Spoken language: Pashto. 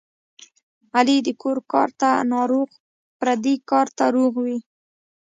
علي د کور کار ته ناروغ پردي کار ته روغ وي.